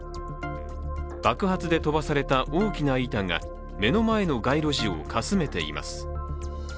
爆発で飛ばされた大きな板が目の前の街路樹をかすめています。